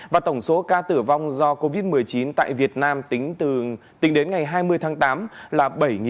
và tổng số ca tử vong do covid một mươi chín tại việt nam tính đến ngày hai mươi tháng tám là bảy năm trăm bốn mươi